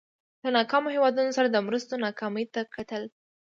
له ناکامو هېوادونو سره د مرستو ناکامۍ ته کتل.